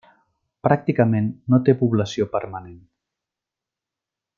Pràcticament no té població permanent.